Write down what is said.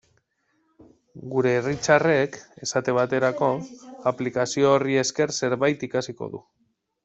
Gure Richardek, esate baterako, aplikazio horri esker zerbait ikasiko du.